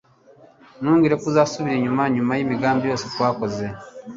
ntumbwire ko uzasubira inyuma nyuma yimigambi yose twakoze